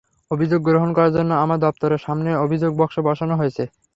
অভিযোগ গ্রহণ করার জন্য আমার দপ্তরের সামনে অভিযোগ বাক্স বসানো হয়েছে।